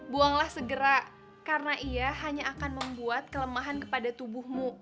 buanglah segera karena ia hanya akan membuat kelemahan kepada tubuhmu